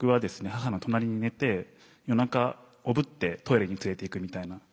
母の隣に寝て夜中おぶってトイレに連れていくみたいな。